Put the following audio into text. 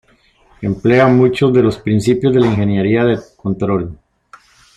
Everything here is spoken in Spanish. Emplea muchos de los principios de la ingeniería de control.